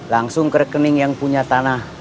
langsung ke rekening yang punya tanah